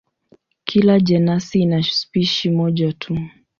Kila jenasi ina spishi moja tu.